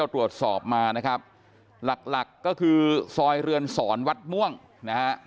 ตรวจสอบมานะครับหลักหลักก็คือซอยเรือนสอนวัดม่วงนะฮะ